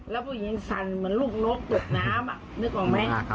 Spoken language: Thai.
แล้วผู้หญิงสั่นเหมือนลูกนกตกน้ำนึกออกไหม